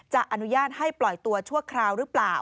อนุญาตให้ปล่อยตัวชั่วคราวหรือเปล่า